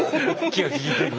気が利いている。